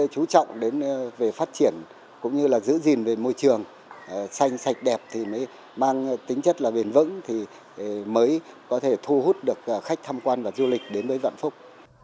chú trọng đến về phát triển cũng như là giữ gìn về môi trường xanh sạch đẹp thì mới mang tính chất là bền vững thì mới có thể thu hút được khách tham quan và du lịch đến với vạn phúc